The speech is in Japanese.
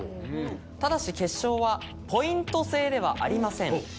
ただし決勝はポイント制ではありません。